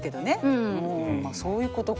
そういうことか。